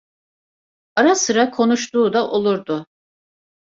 Ara sıra konuştuğu da olurdu.